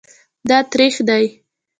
دا تریخ دی